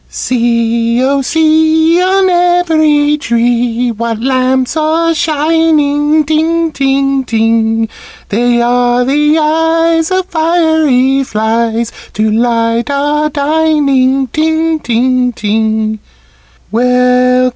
"See, oh, see! On every tree What lamps are shining, ting, ting, ting! They are eyes of fiery flies To light our dining, ting, ting, ting!